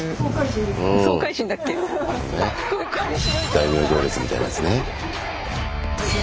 大名行列みたいなやつね。